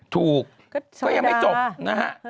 ถูกก็ยังไม่จบนะฮะ